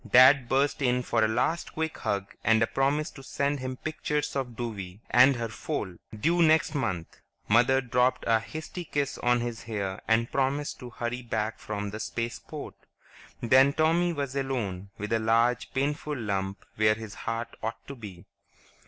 Dad burst in for a last quick hug and a promise to send him pictures of Douwie and her foal, due next month; Mother dropped a hasty kiss on his hair and promised to hurry back from the Spaceport. Then Tommy was alone, with a large, painful lump where his heart ought to be.